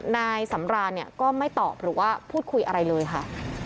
นายสำรานเนี่ยก็ไม่ตอบหรือว่าพูดคุยอะไรเลยค่ะ